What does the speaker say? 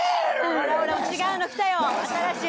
ほらほら違うの来たよ新しい。